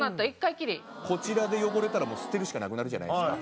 こちらで汚れたら捨てるしかなくなるじゃないですか。